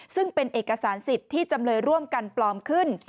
ซึ่งเป็นเอกสารสิทธิ์ที่จำเลยร่วมกันปลอมขึ้น